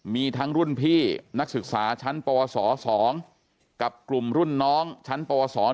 มีทั้งรุ่นพี่นักศึกษาชั้นปวส๒กับกลุ่มรุ่นน้องชั้นปวส